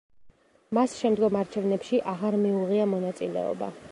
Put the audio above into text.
მას შემდგომ არჩევნებში აღარ მიუღია მონაწილეობა.